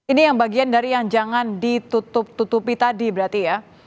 ini yang bagian dari yang jangan ditutup tutupi tadi berarti ya